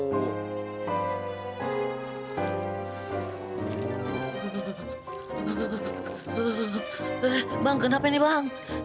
bang kenapa ini bang